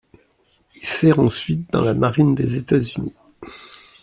Il sert ensuite dans la Marine des États-Unis.